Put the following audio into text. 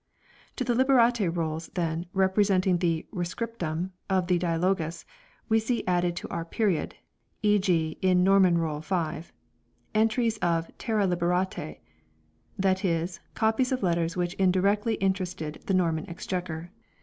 To the Liberate Rolls, then, representing the "Re The Origin scriptum" of the "Dialogus," we see added in o period (e.g. in Norman Roll, 5) entries of "terre liberate "; that is, copies of letters which indirectly interested the Norman Exchequer.